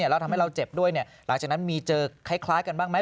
แล้วทำให้เราเจ็บด้วยหลังจากนั้นมีเจอคล้ายกันบ้างไหม